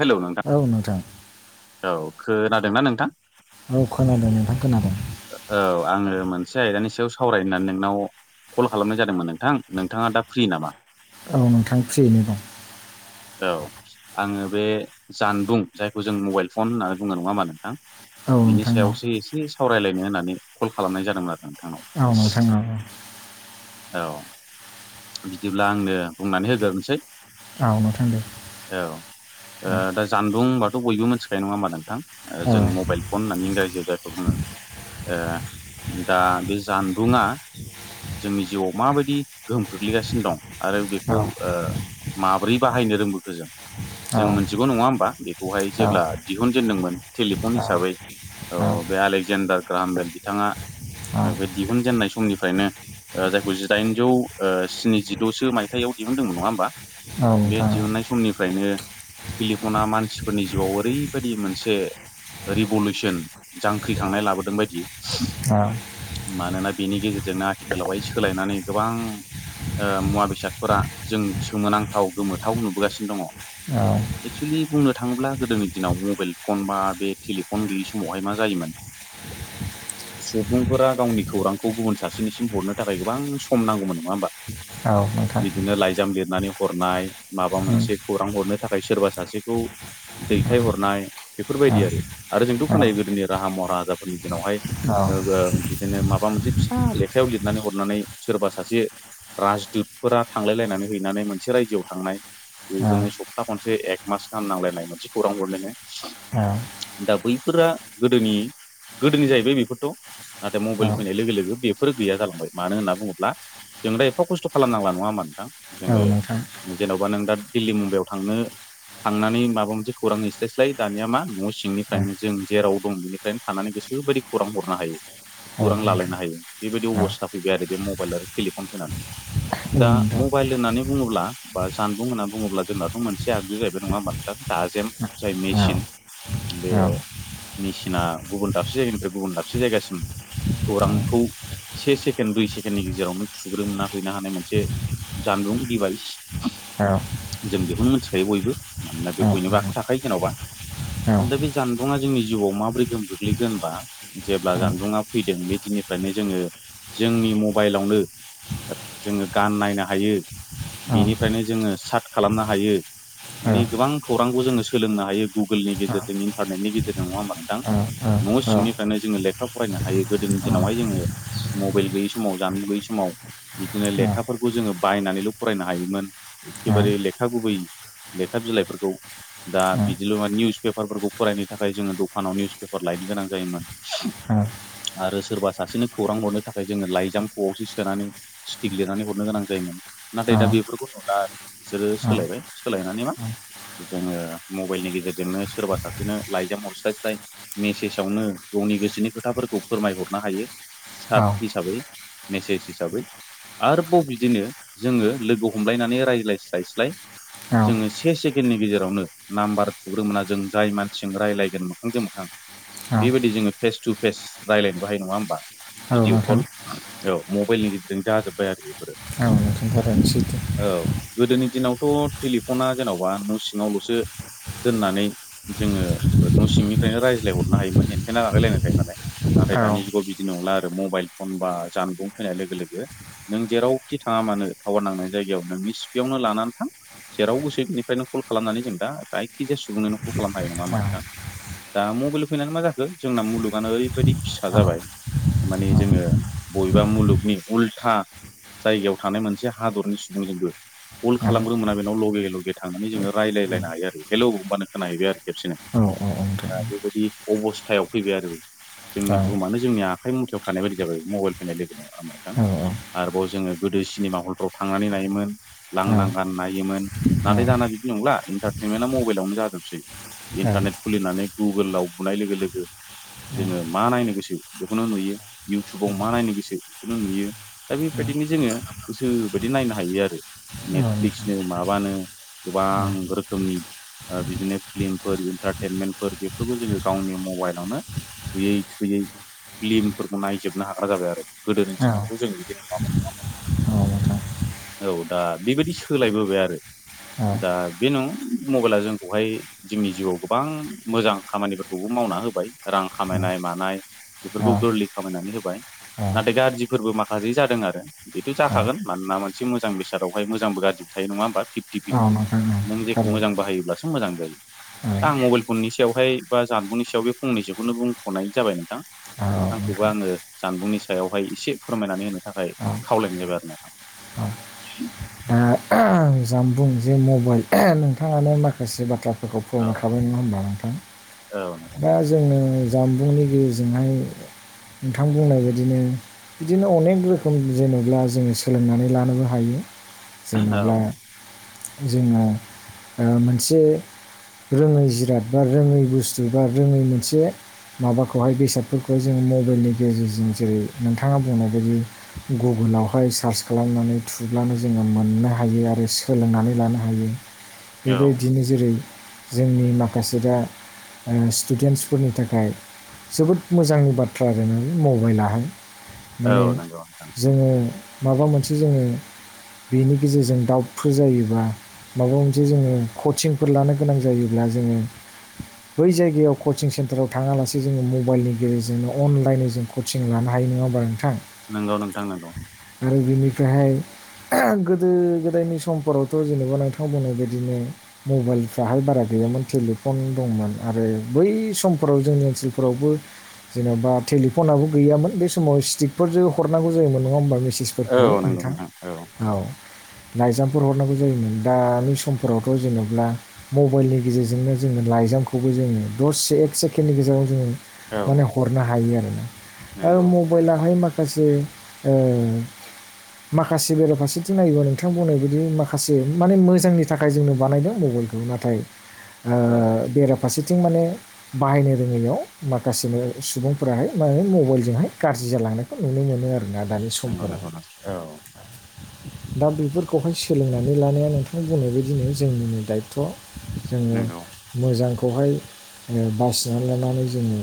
Hello नोंथां। औ नोंथां औ खोनादोंना नोंथां? औ खोनादों नोंथां खोनादों। औ आङो मोनसे आयदानि सायाव सावरायनानै नोंनाव कल खालामनाय जादोंमोन नोंथां नोंथाङा दा फ्रि नामा? औ नोंथां फ्रियैनो दं। औ आङो बे जानबुं जायखौ जों मबाइल फन होननानै बुङो नङा होमा नोंथां औ बिनि नोंथां औ सायावसो एसे एसे सावरायलायनो होननानै कल खालामनाय जादोंमोन आरो औ नोंथां नोंथांनाव औ औ बिदिब्ला आंनो बुंनानै होगोरनोसै औ नोंथां दे औ ओ औ दा जानबुं होनबाथ' बयबो मिथिखानाय नङा होमा नोंथां ओ औ जों मबाइल फन होननानै रायजोआव जायफोर बुङो ओ दा बे जानबुङा जोंनि जिउआव माबायदि गोहोम खोख्लैगासिनो दं। आरो औ बेखौ ओ माब्रै बाहायनो रोंबोखो जों? जों मोनसेगौ नङा होमबा बेखौहाय औ जेब्ला दिहुनजेनदोंमोन टेलिफन हिसाबै औ औ बे एलेक्जेडार ग्राहामबेल बिथाङा बे दिहुनजेननाय समनिफ्रायनो ओ जायखौ जिदाइनजौ ओ स्निजिद'सो मायथाइयाव दिहुनदोंमोन नङा होमबा औ बे नोंथां दिहुननाय समनिफ्रायनो टेलिफना मानसिफोरनि जिउआव ओरैबायदि मोनसे रिभलउसन जांख्रिखांनाय लाबोदों बायदि आ मानोना बेनि गेजेरजोंनो आथिखालावहाय सोलायनानै गोबां ओ मुवा बेसादफोरा जों सोमोनांथाव गोमोथाव नुबोगासिनो दङ। औ एक्सुेलि बुंनो थाङोब्ला गोदोनि दिनाव मबाइल फन बा बे टेलिफन गैयि समावहाय मा जायोमोन [inaudible] सुबुंफोरा गावनि खौरांखौ गुबुन सासेनिसिम हरनो थाखाय गोबां सम नांगौमोन। नङा होमबा औ नोंथां बिदिनो लाइजाम लिरनानै हरनाय माबा उम मोनसे खौरां हरनो थाखाय सोरबा सासेखौ दैथायहरनाय औ बेफोरबायदि आरो आरो जोंथ' खोनायो औ गोदोनि राहा महाराजाफोरनि दिनावहाय औ बिदिनो माबा मोनसे फिसा लेखायाव लिरनानै हरनानै सोरबा सासे राजदुतफोरा थांलायलायनानै हैनानै मोनसे रायजोआव थांनाय बिदिनो सप्ता खनसे एक मास गाहाम नांलायनाय मोनसे खौरां हरनोनो। दा बैफोरा गोदोनि गोदोनि जाहैबाय बेफोरथ, नाथाय औ मबाइल नोंथां फैनाय लोगो लोगो बेफोरो गैया जालांबाय मानो होनना बुङोब्ला जों दा एफा खस्थ' खालामनांला नङा होमब्ला नोथां। औ जोङो जेन'बा नों दा दिल्ली मुम्बाइआव थांनो थांनानै माबा मोनसे खौरां हैस्लायस्लाय दानिया मा न' नोंथां सिंनिफ्रायनो जों जेराव दं बेनि फ्रायनो थानानै गोसोबायदि खौरां हरनो हायो। औ नोंथां औ खौरां लालायनो हायो, बेबायदि अबस्था फैबाय आरो बे मबाइल आरो टेलिफन फैनानै। औ दा मबाइल होन्नानै बुङोब्ला बा जानबुं होननानै बुङोब्ला जोंनाथ' मोनसे आगजु जाहैबाय नङा होमबा नोंथां। दाजेम जाय नोंथां औ मेसिन। बे मेसिना गुबुन दाबसे जायगानिफ्राय गुबुन दाबसे जायगासिम औ खौरांखौ से सेकेण्ड दुइ सेकेणडनि गेजेरावनो सुग्रोमना हैनो हानाय मोनसे जानबुं दिभाइस। औ जों बेखौनो मिथिखायो बयबो मानोना बे बयनिबो आखायाव थाखायो जेन'बा। दा बे जानबुङा जोंनि जिउआव माब्रै गोहोम गोग्लैखो होनबा जेब्ला जानबुंङा फैदों बे दिननिफ्रायनो जोङो जोंनि मबाइलावनो जोङो गान नायनो हायो। बिनिफ्रायनो जोङो साट खालामनो हायो। माने गोबां खौरांखौ जोङो सोलोंनो हायो गुगोलनि गेजेरजों इन्टारनेटनि गेजेरजों नङा होनबा नोंथां? न' औ सिंनिफ्रायनो जोङो लेखा फरायनो हायो। गोदोनि औ दिनावहाय जोङो मबाइल गैयै समाव जानबुं गैयै समाव बिदिनो लेखाफोरखौ जोङो बायनानैल' फरायनो हायोमोन। एखेबारे लेखा गुबै लेखा बिलाइफोरखौ दा बिदिल' मा निउस पेपारफोरखौ फरायनो थाखाय जोङो दखानाव निउस पेपार लायनो गोनां जायोमोन। आरो सोरबा सासेनो खौरां हरनो थाखाय जोङो लाइजाम खआवसो सोनानै स्टिक लिरनानै हरनो गोनां जायोमोन। नाथाय दा बेफोरखौ नुला आरो। बिसोरो सोलायबाय सोलायनानै मा जोङो मबाइलनि गेजेरजोंनो सोरबा सासेनो लाइजाम हरस्लायस्लाय मेसेजावनो गावनि गोसोनि खोथाफोरखौ फोरमायहरनो हायो। सात हिसाबै मेसेज हिसाबै। आरोबाव बिदिनो जोङो लोगो हमलायनानै रायज्लायस्लायस्लाय जोङो से सेकेणडनि गेजेरावनो नाम्बार थुग्रोमोना जों जाय मानसिजों रायज्लायगोन मोखांजों मोखां बेबायदि जोङो फेस टु फेस रायज्लायनोबो हायो नङा होमबा? भिदिअ' कल मबाइलनि गेजेरजों जाजोब्बाय आरो बेफोरो। [unintelligible] औ गोदोनि दिनावथ' टेलिफना जेन'बा न' सिङावल'सो दोननानै जोङो न' सिंनिफ्रायनो रायज्लायहरनो हायोमोन एन्थायेना लागायलायनाय थायो नालाय। नाथाय दानि जुगाव बिदि नंला आरो मबाइल फन बा जानबुं फैनाय लोगो लोगो। नों जेरावखि थाङा मानो टावार नांनाय जायगायाव नोंनि सिपियावनो लानानै थां जेराव गोसो बिनिफ्रायनो कल खालामनानै जों दा जायखिजाया सुबुंननो कल खालामनो हायो नङा होनबा नोंथां? दा मबाइल फैनानै मा जाखो जोंना मुलुगानो ओरैबायदि फिसा जाबाय। माने जोङो बबेबा मुलुगनि उल्था जायगायाव थानाय मोनसे हादरनि सुबुं जोंबो। अल खालामग्रोमोना बेनाव लगे-लगे थांनानै जोङो रायलायलायनो हायो आरो हेलौ होनबानो खोनाहैबाय आरो खेबसेनो‌। दा बेबायदि अबस्थायाव फैबाय आरो। जोंनि बुहुमानो जोंनि आखाइ मुथायाव थानाय बायदि जाबाय मबाइल फैनाय लोगो नङा होमबा। [unintelligible] आरोबाव जोङो गोदो सिनेमा हलफ्राव थांनानै नायोमोन। लांदां गान नायोमोन। नाथाय दाना बिदि नंला इन्टारटेनमेन्टआ मबाइलावनो जाजोबसै। इन्टारनेट खुलिनानै गुगोलाव बुनाय लोगो - लोगो जोङो मा नायनो गोसो बेखौनो नुयो। इउटुबाव मा नायनो गोसो [unintelligible] नुयो दा बेबायदिनो जोङो गोसो बायदि नायनो हायो आरो। नेटफ्लिक्सनो माबानो गोबां रोखोमनि ओ बिदिनो फ्लिमफोर इन्टारटेनमेन्टफोर बेफोरखौ जोङो गावनि मबाइलावनो थुयै- थुयै फ्लिमफोरखौ नायजोबनो हाग्रा जाबाय आरो। गोदोनि दिनावथ' जों बिदि नङामोन [unintelligible] औ दा बेबायदि सोलायबोबाय आरो। दा बे नं मबाइला जोंखौहाय जोंनि जिवाव गोबां मोजां खामानिफोरखौबो मावना होबाय रां खामायनाय मानाय बेफोरखौ गोरलै खामायनानै होबाय नाथाय गाज्रिफोरबो माखासे जादों आरो। बेथ' जाखागोन मानोना मोनसे मोजां बेसादावहाय मोजांबो गाज्रिबो थायो नङा होमबा फिप्टि-फिप नों जेखौ मोजां बाहायोब्लासो मोजां जायो। आं मबाइल फननि सायावहाय बा जानबुंनि सायाव बे फंनैसोखौनो बुंथ'नाय जाबाय नोंथां। नोंथांखौबो आङो जानबुंनि सि सायावहाय एसे फोरमायनानै होनो थाखाय खावलायनाय जाबाय आरो नोंथां। ओ आं जानबुं जे मबाइल नोंथाङानो माखासे बाथ्रा खौ औ फोरमानायखाबाय नङा होमबा नोंथां औ नोंथां दा जोंनो जामबुंनि गेजेरजोंहाय नोंथां बुंनाय बायदिनो बिदिनो अनेक रोखोम जेनब्ला जों सोलोंनानै लानोबो हायो औ जेनब्ला जोङा ओ मोनसे रोङै जिराद बा रोङै बुस्थु बा रोङै मोनसे माबाखौहाय बेसादफोरखौहाय जों मबाइलनि गेजेरजों जेरै नोंथाङा बुंनाय बायदि गुगोलावहाय सार्च खालामनानै थुब्लानो जोङो मोननो हायो आरो सोलोंनानै लानो हायो बेबायदिनो जेरै जोंनि माखासे दा ओ स्टुडेन्सफोरनि थाखाय जोबोद मोजां बाथ्रा [unintelligible] मबाइलाहाय। माने औ औ नंगौ नोंथां जोङो माबा मोनसे जोङो बेनि गेजेरजों दाउद फोर जायोबा माबा मोनसे जोङो कचिंफोर लानो गोनां जायोब्ला जोङो बै जायगायाव कचिं सेन्टाराव थाङालासे जोङो मबाइलनि गेजेरजोंनो अनलाइनै जों कचिं लानो हायो नङा होनबा नोंथां? नोंगौ नोंथां नोंगौ। आरो बिनिफ्रायहाय गोदो गोदायनि स समफोरावथ' जेनेबा नोंथां बुंनाय बायदिनो मबाइलफ्राहाय बारा गैयामोन टेलिफन दंमोन आरो बै समफोराव जोंनि ओनसोलफोरावबो जेन'बा टेलिफनाबो गैयामोन बे समाव स्टिकफोरजो हरनांगौ जायोमोन नङा होमबा मेसेज फोरखौहाय नोंथां औ लाइजाम फर हरनांगौ जायोमोन दानि समफोरावथ' जेनब्ला मबाइलनि गेजेरजोंनो जोङो लाइजामखौबो जोङो द'से एक सेकेण्डनि गेजेराव जोङो औ माने हरनो हायो आरो ना। नंगौ मबाइलाहाय माखासे ओ माखासे बेराफारसेथिं नायोबा नोंथां बुंनाय बादि [unintelligible] माखासे औ फारसेथिं माने बाहायनो रोङैयाव माखासेनो सुबुंफोराहाय मा मबाइलजोंहाय गाज्रि जालांनो नुनो मोनो आरोना दानि नंगौ समफोराव नंगौ नों औ दा बे खौहाय सोलोंनानै लानाया नोंथां बुंनाय बायदिनो जोंनिनो दायथ' जोङो नंगौ मोजांखौहाय बासिना लानानै जोङो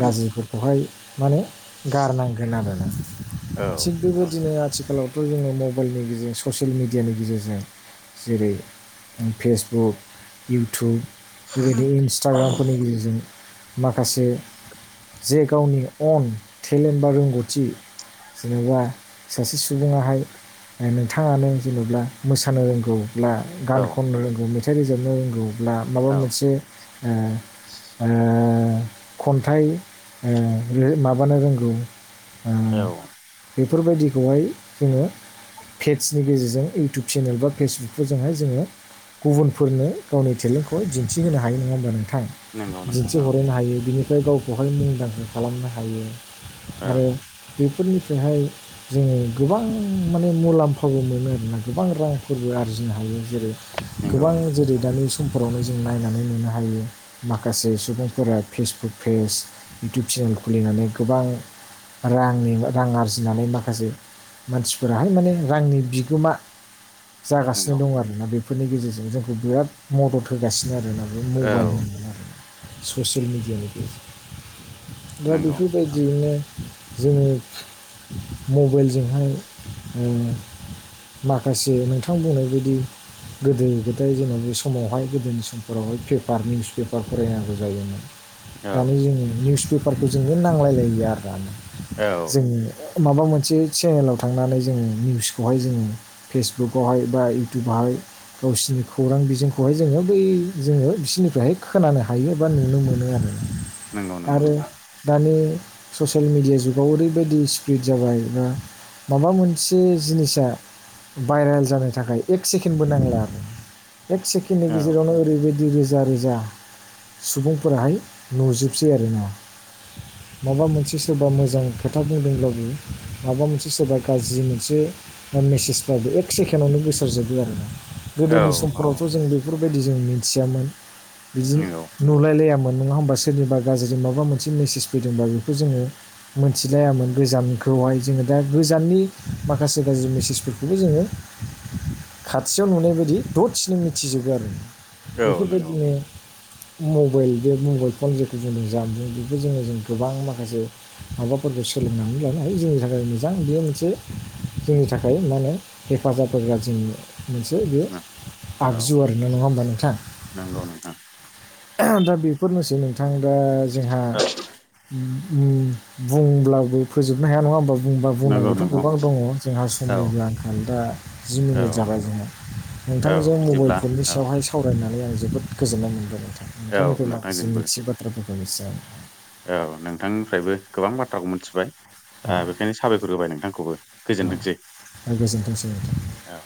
गाज्रि बेवहाय माने गारनांगोन आरोना औ थिग नंगौ बेबायदिनो आथिखालाव बे जोंङा मबेलनि गेजेरजों ससियेल मेडियानि गेजेरजों जेरै फेसबुक इउटुब बेबायदि इन्सटाग्रामफोरनि गेजेरजों माखासे जे गावनि अन टेलेन्ट बा रोंगौथि जेनेबा सासे सुबुङाहाय नायनो बिथाङानो जेनेबा मोसानो रोंगौ औ ल्बागान खननो रोंगौ मेथाइ रोजाबनो रोंगौ ना माबा औ मोनसे ओ ओ खन्थाइ उम माबानो रोंगौ उम औ बेफोरबायदिखौहाय जोङो पेदसनि गेजेरजों इउटुब चेनेल बा फेसबुकफोरजोंहाय जोङो गुबुनफोरनो गावनि टेलेन्टखौ दिन्थिहोनो हायो नङा होमबा नोंथां नंगौ नोंथां औ दिन्थिहरनो हायो बिनिफ्राय गावखौहाय मुंदांखा खालामनो हायो औ आरो बेफोरनिफ्रायहाय जोङो गोबां माने मुलाम्फा फावबो मोनो आरोना गोबां रांफोरबो आरजिनो हायो जेरै नंगौ गोबां जेरै नोंथां दानि समफोरावनो जों नायनानै नुनो हायो माखासे सुबुंफोरा फेसबुक पेज इउटुब चेनेल खुलिनानै गोबां रांनि रां आरजिनानै माखासे मानसिफोराहाय माने रांनि बिगोमा जागासिनो नंगौ दं आरोना बे बेफोरनि गेजेरजों जोंखौ बिराद मदद होगासिनो आरोना बे औ मबाइल ससियेल मिडियानि गेजेर दा नंगौ बेफोरबायदियैनो जोङो मबाइलजोंहाय माखासे नोंथां बुंनाय बायदि गोदो गोदाय जेनब बे समावहाय गोदोनि समफोरावहाय पेपार निउस पेपार फरायनांगौ जायोमोन औ दानि जों निउस पेपारखौ जोनो नांलायलायलिआ आरो दानिया औ जोंनि माबा मोनसे चेनेलाव थांनानै जोङो निउस बेवहाय जों फेसबुकवहाय बा इउटुबावहाय गावसिरनि खौरां बिजोंखौहाय जोङो बै जोङो बिसोरनिफ्रायहाय खोनानो हायो गोबां नुनो मोनो आरो नंगौ नंगौ आरो नोंथां दानि ससेल मेडिया जुगाव ओरैबायदि सिफिड जाबाय दा माबा मोनसे जिनिस या भाइरेल जानो थाखाय एक सेकेणडबो नांला आरो एक सेकेण्डनि औ गेजेरावनो ओरैबायदि रोजा रोजा सुबुंफोराहाय नुजोबसै आरो ना माबा मोनसे सोरबा मोजां खोथा बुंदोंब्लाबो माबा मोनसे सोरबा गाज्रि मोनसे मेसेजफ्राबो एक सेकेणडआवनो गोसारजोबो आरोना औ गोदोनि औ समफोरावथ' जों बे बेफोरबायदि जों मिथियामोन बिदिनो नंगौ नुलायलायामोन नङा होमबासो सोरनिबा गाज्रि माबा मोनसे मेसेज फैदोंबा बेखौ जोङो मोनथिलायामोन गोजानखौहाय जोङो दा गोजाननि माखासे गारजि गारजि मेसेजफोरखौबो जोङो खाथियाव नुनाय बायदि ददसेनो मिथिजोबो आरो औ नंगौ बेफोरबायदिनो मबाइल बे मबाइल फन जेखौ जोङो जामुं बेखौ जोङो जों गोबां माखासे माबाफोरखौ सोलोंनानै लानो हायो जोंनि थाखाय मोजां बेयो मोनसे जोंनि थाखाय मा होनो हेफाजाब होग्रा जोंनि मोनसे बे औ आगजु आरोना नङा होमबा नोंथा नंगौ नोंथा। दा बेफोरनोसै नोंथां दा जोंहा औ बुंब्लाबो फोजोबनो हाया नङा होमबा? बुंबा नंगौ बुंनांगौथ' नंगौ गोबां दङ जोंहा औ समनिबो आंखाल दा। जि मिनिट औ जाबाय नंगौ जोंहा औ नोंथांजों मबाइल बिदिब्ला फननि औ सायावहाय सावरायनानै आं जोबोद गोजोननाय मोनबाय नोंथां औ नोंथांनिफ्राय माखासे नोंथांजोंबो मिथियै बाथ्राफोरखौ मिथि औ नोंथांनिफ्रायबो गोबां बाथ्राखौ मिथिबाय। दा आं बेखायनो साबायखर होबाय नोंथांखौबो औ गोजोनथोंसै। औ गोजोनथोंसै नोंथां औ।